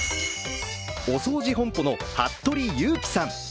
お掃除本舗の服部裕樹さん。